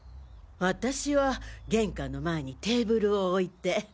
私は玄関の前にテーブルを置いて。